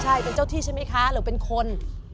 ใช่เป็นเจ้าที่ใช่ไหมคะหรือเป็นคน